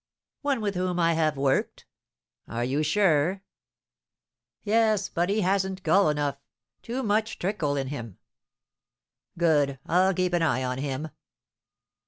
"One with whom I have worked." "Are you sure?" "Yes but he hasn't gull enough too much treacle in him." "Good, I'll keep an eye on him."